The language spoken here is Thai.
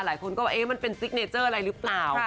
หลายคนก็เอ๊ะมันเป็นซิกเนเจอร์อะไรหรือเปล่า